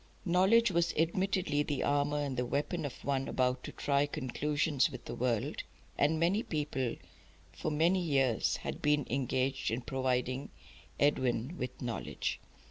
Knowledge was admittedly the armour and the weapon of one about to try conclusions with the world, and many people for many years had been engaged in providing Edwin with knowledge.